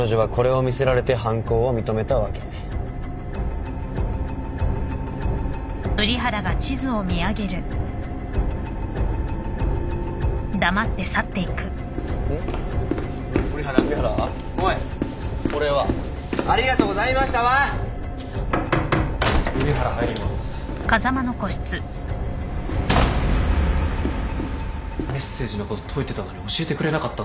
メッセージのこと解いてたのに教えてくれなかったんですか？